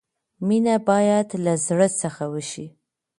مینه باید لۀ زړۀ څخه وشي.